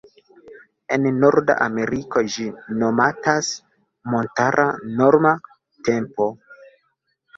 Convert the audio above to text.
En norda Ameriko ĝi nomatas "Montara Norma Tempo".